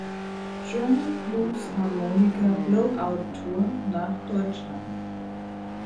German Blues Harmonica Blowout Tour" nach Deutschland.